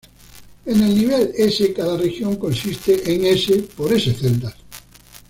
En el nivel "s", cada región consiste en "s" por "s" celdas.